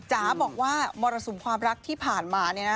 จ๋าบอกว่ามรสุมความรักที่ผ่านมาเนี่ยนะ